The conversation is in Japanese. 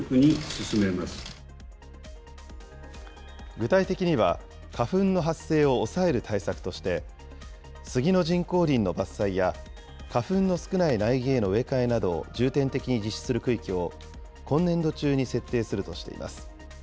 具体的には、花粉の発生を抑える対策として、スギの人工林の伐採や、花粉の少ない苗木への植え替えなどを重点的に実施する区域を、今年度中に設定するとしています。